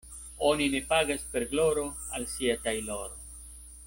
Oni ne pagas per gloro al sia tajloro.